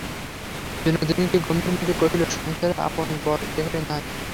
বিনোদিনী গম্ভীরমুখে কহিল, সংসারে আপন-পর কেহই নাই।